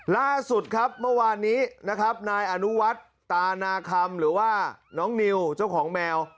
ล่าสุดครับเมื่อวานนี้นะครับนายอนุวัฒน์ตานาคำหรือว่าน้องนิวเจ้าของแมว